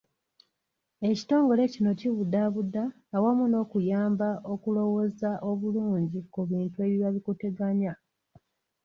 Ekitongole kino kibudaabuda awamu n'okukuyamba okulowooza obulungi ku bintu ebiba bikuteganya.